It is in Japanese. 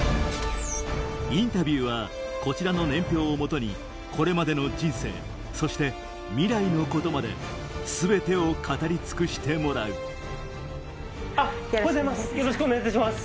インタビューはこちらの年表を基にこれまでの人生そして未来のことまで全てを語り尽くしてもらうあっよろしくお願いします。